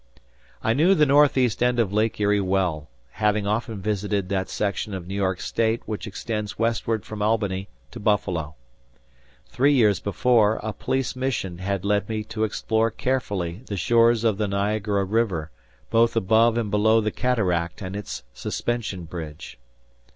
I knew the northeast end of Lake Erie well, having often visited that section of New York State which extends westward from Albany to Buffalo. Three years before, a police mission had led me to explore carefully the shores of the Niagara River, both above and below the cataract and its Suspension Bridge.